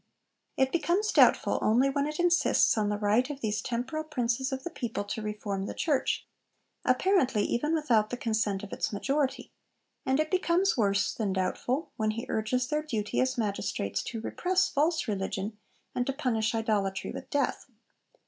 It becomes doubtful only when it insists on the right of these temporal 'Princes of the people' to reform the Church apparently even without the consent of its majority; and it becomes worse than doubtful when he urges their duty as magistrates to repress false religion and to punish idolatry with death.